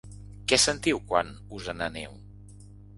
Què sentiu quan us en aneu?